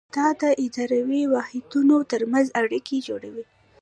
دا د اداري واحدونو ترمنځ اړیکې جوړوي.